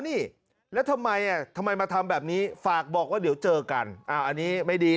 นี่แล้วทำไมทำไมมาทำแบบนี้ฝากบอกว่าเดี๋ยวเจอกันอันนี้ไม่ดี